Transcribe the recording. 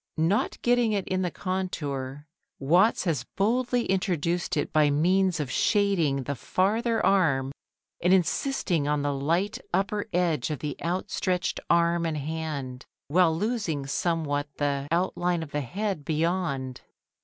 Not getting it in the contour, Watts has boldly introduced it by means of shading the farther arm and insisting on the light upper edge of the outstretched arm and hand, while losing somewhat the, outline of the head beyond.